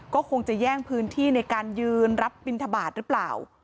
ก็คงจะแย่งพื้นที่ในการยืนรับบินทบาทหรือเปล่า